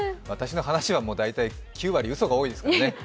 私の話は大体９割うそが多いですからね。